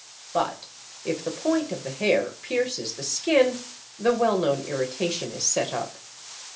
But if the point of the hair pierces the skin, the well known irritation is set up.